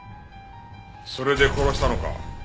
それで殺したのか？